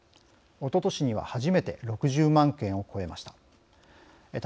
おととしには初めて６０万件を超えました。